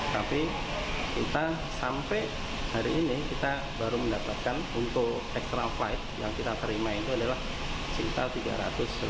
tapi kita sampai hari ini kita baru mendapatkan untuk extra flight yang kita terima itu adalah sekitar tiga ratus